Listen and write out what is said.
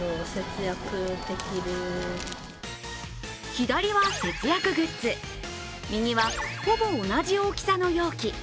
左は節約グッズ、右は、ほぼ同じ大きさの容器。